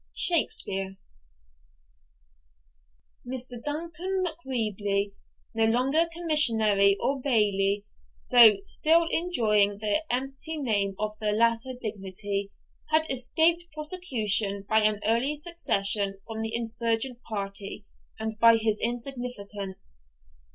SHAKSPEARE Mr. Duncan MacWheeble, no longer Commissary or Bailie, though still enjoying the empty name of the latter dignity, had escaped proscription by an early secession from the insurgent party and by his insignificance.